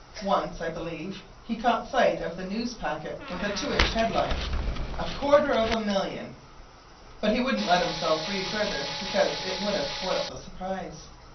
Once, I believe, he caught sight of the Newspacket with a two inch headline: A QUARTER OF A MILLION, but he wouldn't let himself read further because it would have spoilt the surprise.